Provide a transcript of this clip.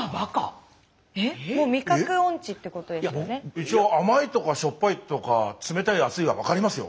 一応甘いとかしょっぱいとか冷たい熱いは分かりますよ。